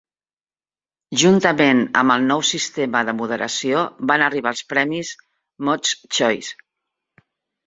Juntament amb el nou sistema de moderació van arribar els premis Mod's Choice.